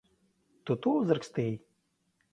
Tu to uzrakstīji?